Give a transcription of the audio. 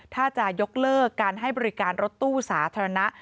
ถ้าจะยกเลิกการให้บริการรถตู้สาธารณะ